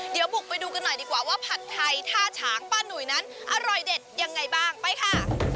เดี๋ยวบุกไปดูกันหน่อยดีกว่าว่าผัดไทยท่าฉางป้าหนุ่ยนั้นอร่อยเด็ดยังไงบ้างไปค่ะ